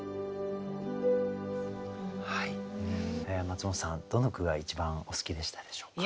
松本さんどの句が一番お好きでしたでしょうか。